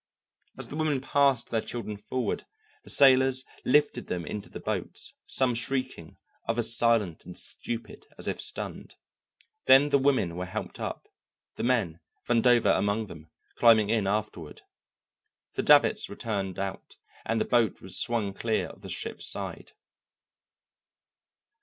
As the women passed their children forward, the sailors lifted them into the boats, some shrieking, others silent and stupid as if stunned. Then the women were helped up; the men, Vandover among them, climbing in afterward. The davits were turned out and the boat was swung clear of the ship's side.